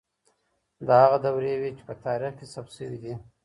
دا هغه دورې وې چي په تاريخ کي ثبت سوې دي.